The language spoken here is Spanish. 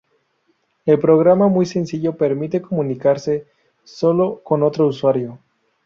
El programa, muy sencillo, permite comunicarse sólo con otro usuario.